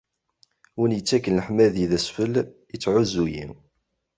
Win yettaken leḥmadi d asfel, ittɛuzzu-yi.